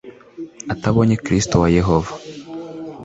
atabonye Kristo wa Yehova